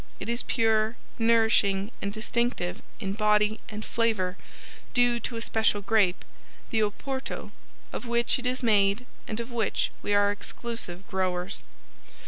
It is pure, nourishing and distinctive in BODY and FLAVOR, due to a special grape the Oporto of which it is made and of which we are exclusive growers.